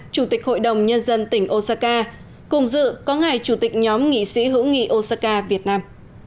chủ tịch hội đồng nhân dân tỉnh osaka cùng dự có ngài chủ tịch nhóm nghị sĩ hữu nghị osaka việt nam